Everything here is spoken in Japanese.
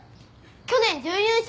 去年準優勝。